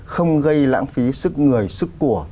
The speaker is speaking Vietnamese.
không gây lãng phí sức người sức của